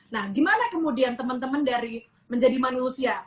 nah gimana kemudian temen temen dari menjadi manusia